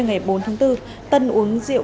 ngày bốn tháng bốn tân uống rượu